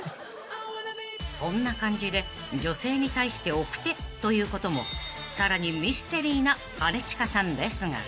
［こんな感じで女性に対して奥手ということもさらにミステリーな兼近さんですが］